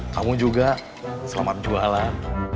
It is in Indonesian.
kamu juga selamat jualan